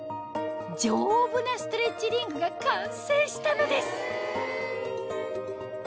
丈夫なストレッチリングが完成したのです